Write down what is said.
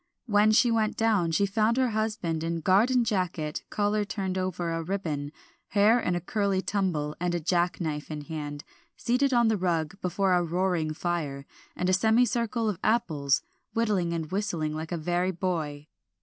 When she went down, she found her husband in garden jacket, collar turned over a ribbon, hair in a curly tumble, and jackknife in hand, seated on the rug before a roaring fire, and a semicircle of apples, whittling and whistling like a very boy.